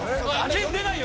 健出ないよ